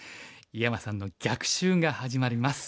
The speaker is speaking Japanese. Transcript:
井山さんの逆襲が始まります。